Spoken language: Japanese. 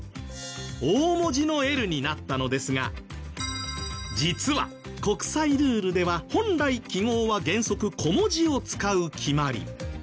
大文字のＬになったのですが実は国際ルールでは本来記号は原則小文字を使う決まり。